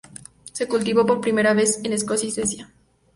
Se cultivó por primera vez en Escocia y en Suecia.